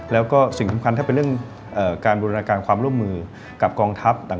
แล้วก็สิ่งสิ่งคุ้มค้นถ้าเป็นเรื่องการบริละการความร่วมมือกับกองทัพ